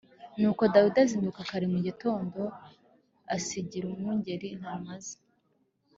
Nuko Dawidi azinduka kare mu gitondo asigira umwungeri intama ze